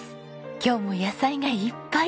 今日も野菜がいっぱい！